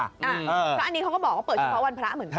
อันนี้เขาก็บอกว่าเปิดเฉพาะวันพระเหมือนกัน